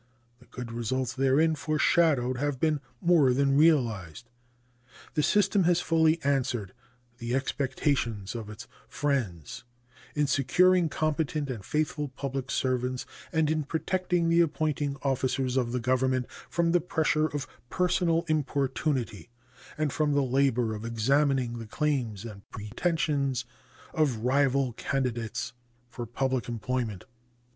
The good results therein foreshadowed have been more than realized. The system has fully answered the expectations of its friends in securing competent and faithful public servants and in protecting the appointing officers of the Government from the pressure of personal importunity and from the labor of examining the claims and pretensions of rival candidates for public employment.